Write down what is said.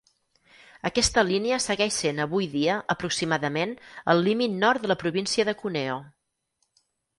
Aquesta línia segueix sent avui dia aproximadament el límit nord de la província de Cuneo.